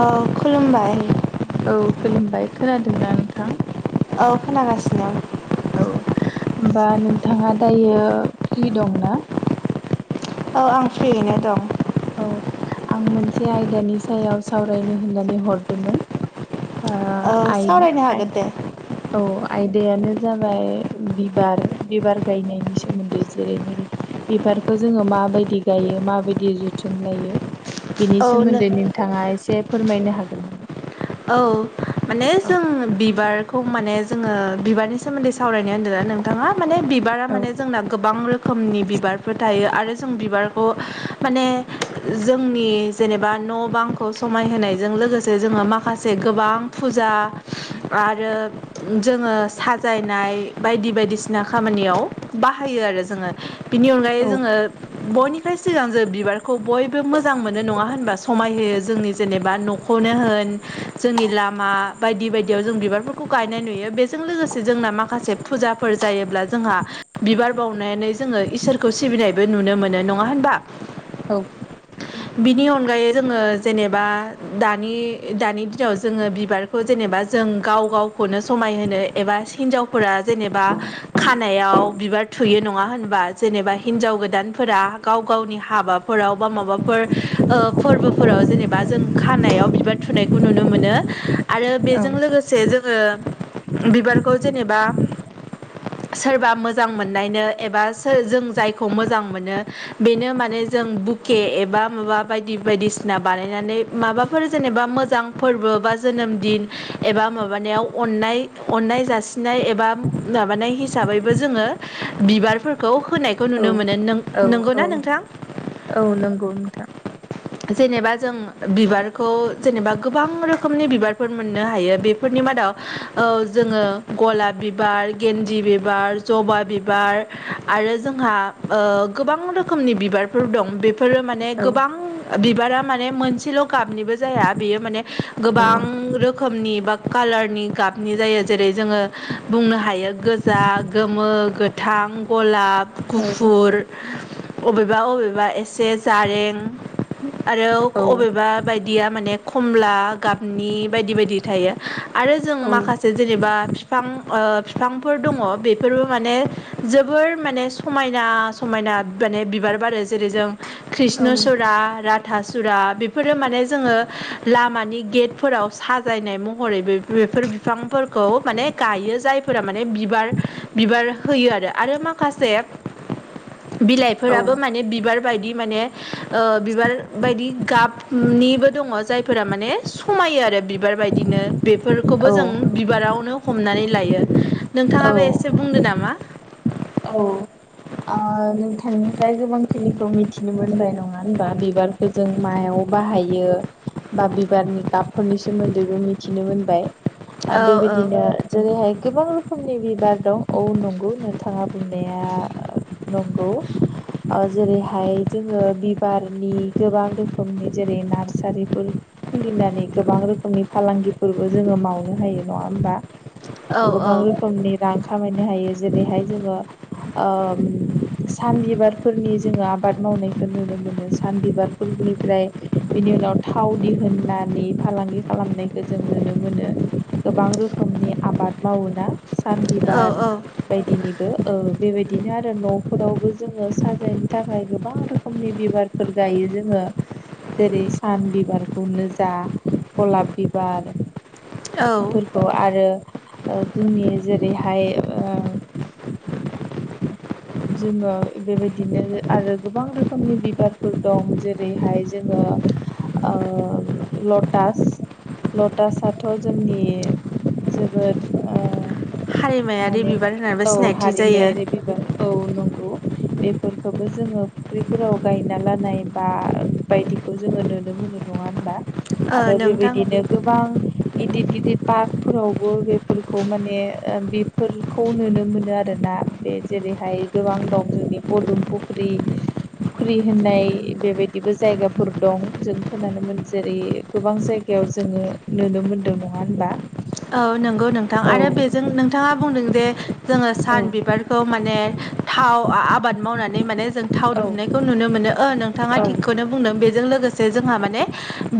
औ खुलुमबाय औ औ खुलुमबाय खोनादोंना नोंथां? औ खोनागासिनो, औ होमबा नोंथाङा दायो फ्रि दंना? औ आं फ्रियैनो दङ। औ आं मोनसे आयदानि सायाव सावरायनो होननानै हरदोंमोन, ओ औ आय सावरायनो आय हागोन दे औ आयदायानो, जाबाय बिबार बिबार गायनायनि सोमोन्दै जेरैबायदि बिबारखौ जोङो मा, माबायदि गायो माबायदि जुथ थुनलायो बिनि औ नो सोमोन्दै नोंथाङा एसे फोरमायनो हागोन नामा? औ माने औ जों बिबार, फ माने जोङो बिबारनि सोमोन्दै सावरायनो होनदों ना नोंथाङा? माने बिबारा औ माने जोंना गोबां रोखोमनि बिबारफोर थायो आरो जों बिबार, अ माने जोंनि जेनेबा न' बांखौ समायहोनायजों लोगोसे जोङो माखासे, गोबां फुजा आरो जोङो साजायनाय बायदि बायदि बायदिसिना खामानियाव बाहायो आरो जोङो, बिनि अनगायै औ जोङो बयनिफ्राय सिगां जों बिबार, खौ बयबो मोजां मोनो नङा होनबा समाय होयो जोंनि जेनेबा न'खौनो होन, जोंनि लामा बायदि बायदियाव जों बिबारफोरखौ गायनाय नुयो बेजों लोगोसे जोंना माखासे फुजाफोर, जायोब्ला जोंहा बिबार बावनानै जोङो इसोरखौ सिबिनायबो नुनो मोनो नङा होनबा? औ बिनि अनगायै जोङो जेनेबा दानि दानि, [unintelligible] जोङो बिबारखौ जेनेबा जों गाव गावखौनो समायहोनो एबा हिनजावफोरा जेनेबा, खानायाव बिबार थुयो नङा होनबा जेनेबा हिनजाव गोदानफोरा गाव गावनि हा, माबाफोराव बा माबाफोर ओ फोरबोफोराव जेनेबा जों खानायाव बिबार थुनाय, खौ नुनो मोनो आरो बेजों लोगोसे जों, [unintelligible] बिबारखौ जेनेबा, सोरबा मोजां मोननायनो एबा जों जायखौ मोजां मोनो बेनो माने जों बुके एबा माबा बायदि बायदिसिना बानायनानै माबाफोर जेनेबा मोज मोजां फोरबो बा जोनोम दिन एबा माबानायाव अननाय अननाय जासिनाय एबा माबानाय हिसाबैबो जोङो बिबारफोरखौ, होनायखौ औ नुनो मोनो नों औ औ नंगौना नोंथां, औ नंगौ नोंथां जेनेबा जों बिबारखौ जेनेबा गोबां रोखोमनि बिबारफोर मोननो हायो बेफोरनि मादाव औ जोंङो गलाब बिबार, गेन्जि बिबार जबा बिबार आरो जोंहा ओ गोबां रोखोमनि बिबारफोर दं बेफोरो माने औ गोबां बिबारा माने मोनसेल गाबनिबो जाया, बेयो माने औ गोबां रोखनि बा कालारनि गाबनि जायो जेरै जोङो बुंनो हायो गोजा गोमो गोथां गलाब, औ गुफुर अबेबा अबेबा एसे जारें आरो अबेबा बायदिया माने खमला गाबनि बायदि बायदि थायो आरो जों माखासे जेनेबा बिफां ओ फिफांफोर दङ बेफोरबो माने जोबोर माने समायना समायना समायना माने बिबार बारो जेरै जों औ कृषण सुरा राथा सुरा बेफोर माने जों जोङो लामानि गेटफोराव साजायनाय महरै बेफोर बिफांफोरखौ माने गायो जाय फोरा माने बिबार बिबार होयो आरो आरो माखासे [inaudible] औ बिलाइफोराबो माने बिबार बि माने बिबार बादि गाबनि बो दंङजाय फोरा माने समायो आरो बिबार बायदिनो बेफोरखौबो जों औ बिबारावनो हमनानै लायो नोंथाङाबो एसे बुंदो नामा औ ओ नोंथांनिफ्राय गोबांखिनिखौ मिथिनो मोनबाय नङा होनबा बिबारखौ जों मायाव बाहायो बा बिबारनि गाबफोरनि सोमोन्दैबो मिथिनो मोनबाय औ औ बेबायदिनो जेरैहाय गोबां रोखोमनि बिबार दं औ नंगौ नोंथाङा बुंनाया नंगौ जेरैहाय जोंङो बिबारनि गोबां रोखोमनि जेरै नार्सारिफोर खुलिनानै गोबां रोखोमनि फालांगिफोरबो जोङो मावनो हायो नङा होमबा? औ गोबां रोखोमनि रां खामायनो हायो जेरैहाय जोङो ओम सान बिबारफोरनि जोङो आबाद मावनायखौ नुनो मोनो सान बिबार निफ्राय बिनि उनाव थाव दिहुननानै फालांगि खालामनायखौ जों नुनो मोनो गोबां रोखोमनि आबाद मावोना सान औ बिबार औ बायदिनिबो बेबायदिनो आरो नफोरावबो जोंङो साजायनो थाखाय गोबां रोखोमनि बिबारफोर गायो जोङो जेरै सान बिबारखौनो जा गलाब बिबार औ फोरखौ आरो ओ जोंनि जेरैहाय जोङो बेबायदिनो आरो गोबां रोखोमनि बिबारफोर दं जेरैहाय जोङो लटास लटासआथ' जोंनि जोबोद हारिमायारि माने बिबार होननानैबो औ सिनायथि जायो हारिमायारि बिबार न बेफोरखौबो जोङो फुख्रिफोराव गायना लानाय बा बायदिखौ। जोङो नुनो मोनो नङा होनबा ओ आरो नोंथां बेबायदिनो गोबां‌ गिदिर गिदिर पार्कफोरावबो बेफोरखौ माने बेफोरखौ नुनो मोनो आरो ना बे जेरैहाय गोबां दं जोंनि फदुम फुख्रि फुख्रि होननाय बेबायदिबो जायगाफोर दं जों खोनानोमोन जेरै गोबां जायगा जायगायाव जोङो नुनो मोनदों नङा होनबा? औ नंगौ नोंथां औ आरो बेजों नोंथाङा बुंदों जे जोङो औ सान बिबारखौ माने थाव आबाद मावनानै माने जों थाव दुंनायखौ नुनो मोनो ओ नोंथाङा औ थिगखौनो बुंदों बेजों लोगोसे जोंहा माने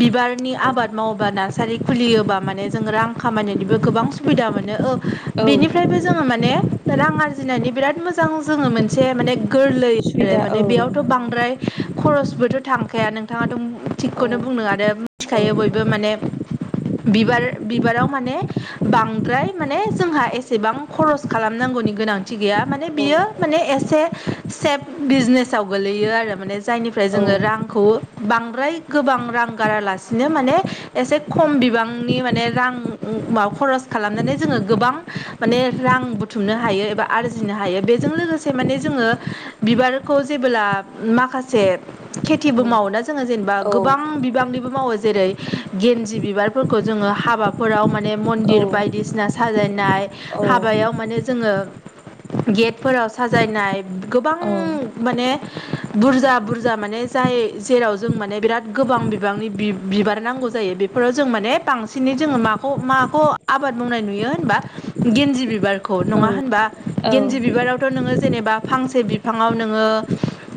बिबारनि औ आबाद मावोबा नार्सारि खुलियोबा मान जों रां खामानिनायनिबो गोबां सुबिदा मोनो औ बेनिफ्रायबो जोंङो माने दा रां आरजिनायनि बिराद मोजां जोङो मोनसे माने गोरलै आरो सुबिदा माने औ बेयावथ' नंगौ बांद्राय खरसबोथ' थांखाया नोंथाङाथ' औ थिगखौनो बुंनो आरो औ मिथिखायो बयबो माने बिबार बिबाराव माने बांद्राय माने जोंहा एसेबां खरस खालामनांगौनि गोनांथि गैयामाने औ बि माने एसे बिजने गोलैयो आरो म जायनिफ्राय औ जोङो रांखौ बांद्राय गोबां रां गारालासिनो माने एसे खम बिबांनि माने रां ओ माबा खरस खालामनानै जोङो गोबां माने रां बुथुमनो हायो एबा आरजिनो हायो बे जों लोगोसे माने जोंङो बिबारखौ‌ जेबोला माखासे खिथिबो मावोना जोङो जेनेबा गोबां बिबांनिबो मावो जेरै गेन्जि बिबारफोरखौ जोङो हाबा फोराव माने मन्दिर बायदिसिना साजायनाय हाबायाव माने जोङो गेटफोराव साजायनाय गोबां माने बुरजा बुरजा माने जाय जेराव जों माने बिराद गोबां बिबांनि बि बिबार नांगौ जायो बेफोराव जों माने बांसिनै जोङो माखौ माखौ आबाद मावनाय नुयो होनबा गेन्जि बिबारखौ नङा होनबा? गेन्जि बिबारावथ' नोङो जेनेबा फांसे बिफांआव नोङो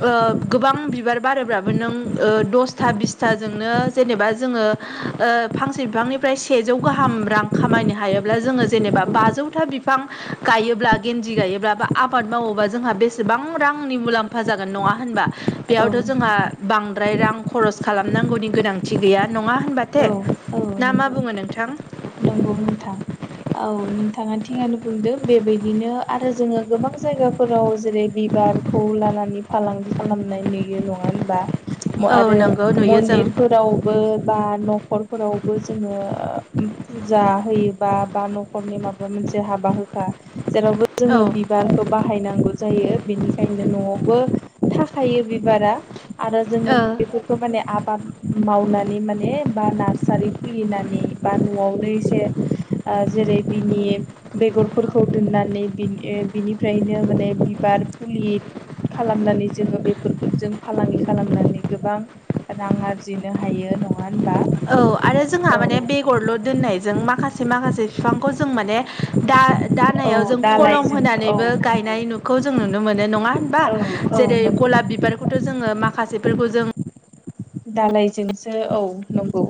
ओ गोबां बिबार बारोबाबो नों द दस्था बिसथाजोंनो जेनेबा जोंङो ओ फांसे बिफांनि फ्राय सेजौ गाहाम रां खामायनो हायोब्ला जोङो जेनेबा बाजौथा बिफां गायोब्ला गेन जि गायोब्लाबो आबाद मावोबा जोंहा बेसेबां रांनि मुलाम्फा जागोन नंङा होनबा औ बेयावथ' जोंहा बांद्राय रां खरस खालामनांगौनि गोनांथि गैया नङा होनबा थे औ ना मा बुङो नोंथां? नोंगौ नोंथां औ नोंथाङा थिनो बुंदों बेबायदिनो आरो जोङो गोबां जायगायाव फोराव जेरै बिबारखौ लानानै फालांगि खालामनाय नुयो नंङा होनबा औ आरो नंगौ नुयो जों मन्दिरफोरावबो बा न'खर फोरावबो जोंङो फुजा होयोबा बा नखरनि माबा मोनसे हाबा होखा जेरावबो औ जोङो बिबारखौ बाहायनांगौ जायो बेनिखायनो न'आवबो थाखायो बिबारा आरो जोंङो ओ बेफोरखौ माने आबाद मावनानै माने बा नार्सारि खुलिनानै बा न'आवनो एसे ओ जेरै बिनि बेगरफोरखौ दोननानै बिनि बिनिफ्रायनो माने बिबार फुलि खालामनानै जोङो बेफोरखौ जों फालांगि खालामनानै गोबां रां आरजिनो हायो नंङा औ आरो जोंहा माने बेगरल' दोननायजों मा माखासे माखासे बिफांखौ जों माने दा औ दानायाव जों खलम दालायजोंबो औ होनानैबो नंगौ गायनायखौ जों नुनो मोनो नङा होनबा औ जेरै नंगौ गलाब बिबारखौथ' जोङो माखासेफोरखौ जों दालायजोंसो औ नंगौ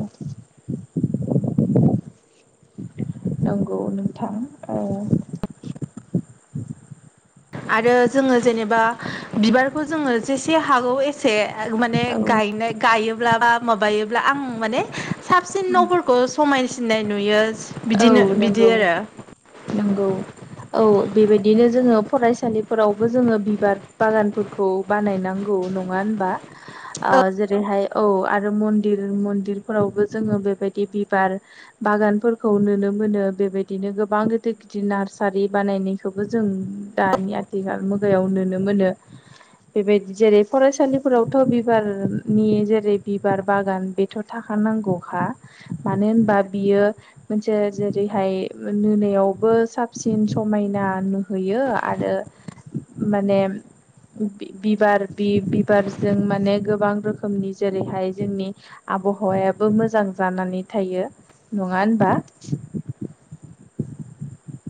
नंगौ नोंथां ओ आरो जोङो जेनेबा बिबारखौ जोङो जेसे हागौ एसे माने गायनाय गायोब्ला बा माबायोब्ला आं माने साबसिन न'फोरखौ समायसिननाय नुयो। औ बिदिनो नंगौ बिदि आरो नंगौ। औ बेबायदिनो जोङो फरायसालिफोरावबो जोङो बिबार बागानफोरखौ बानायनांगौ। नङा होनबा ओ जेरैहाय औ आरो मन्दिर मन्दिरफोरावबो जोङो बेबायदि बिबार बागानफोर खौ नुनो मोनो बेबायदिनो गोबां गिदिर गिदिर नार्सारि बानायनायखौबो जों दानिया आथिखाल मुगायाव नुनो मोनो बेबायदि जेरै फरायसालिफोरावथ बिबारनि जेरै बिबार बागान बेथ थाख खानांगौखा मानो होनबा बियो मोनसे जेरैहाय नुयावबो साबसिन समायना नुहैयो आरो माने बिबार बि बिबारजों माने गोबां रोखोमनि जेरैहाय जोंनि आबहावायाबो मोजां जानानै थायो नङा होनबा? [unintelligible]